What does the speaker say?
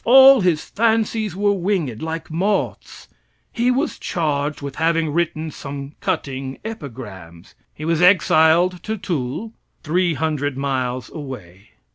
All his fancies were winged, like moths. He was charged with having written some cutting epigrams. He was exiled to Tulle, three hundred miles away.